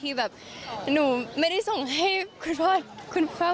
พ่ออำเขาเหมือนเป็นบิ๊กแฟนของเรา